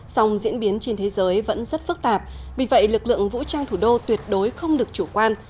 song diễn biến trên thế giới vẫn rất phức tạp vì vậy lực lượng vũ trang thủ đô tuyệt đối không được chủ quan